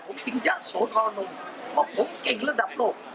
ผมจริงจ่ะโสธาลงค์ว่าผมเก่งระดับโลก